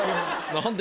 何で？